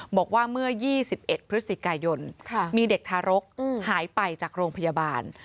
บอกว่าเมื่อ๒๑พฤศจิกายนมีเด็กทารกหายไปจากโรงพยาบาล